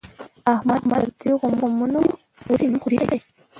احمد پردي غمونه خوري، اوس یې نوم ځوری دی.